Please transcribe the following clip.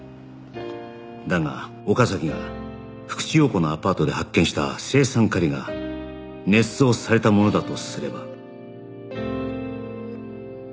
だが岡崎が福地陽子のアパートで発見した青酸カリが捏造されたものだとすれば